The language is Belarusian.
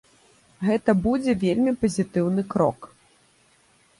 Гэта будзе вельмі пазітыўны крок.